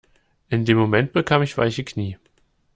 In dem Moment bekam ich weiche Knie.